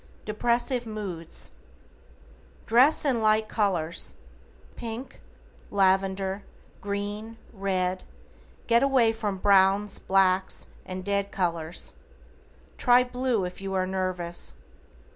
=DEPRESSIVE MOODS:= Dress in light colors, Pink, Lavender, Green, Red, get away from browns, blacks, and dead colors. Try blue if you are nervous.